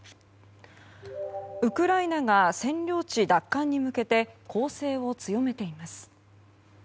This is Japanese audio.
ウクライナが占領地奪還に向けて攻勢を強めています。